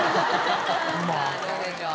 さあどうでしょう？